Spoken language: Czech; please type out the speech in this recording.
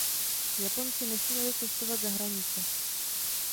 Japonci nesměli cestovat za hranice.